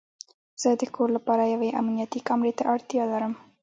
زه د کور لپاره یوې امنیتي کامرې ته اړتیا لرم